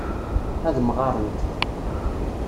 Ad mɣarent.